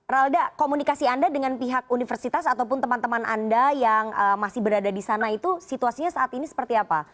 ralda komunikasi anda dengan pihak universitas ataupun teman teman anda yang masih berada di sana itu situasinya saat ini seperti apa